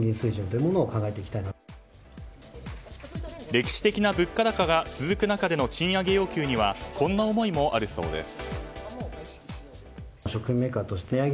歴史的な物価高が続く中での賃上げ要求にはこんな思いもあるそうです。